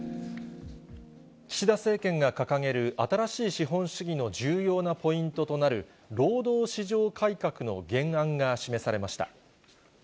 岸田政権が掲げる新しい資本主義の重要なポイントとなる労働市場改革の原案が示されました。